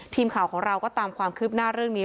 ทีมข่าวของเราก็ตามความคืบหน้าเรื่องนี้